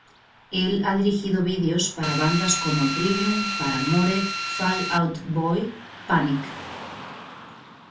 Él ha dirigido videos para bandas como Trivium, Paramore, Fall Out Boy, Panic!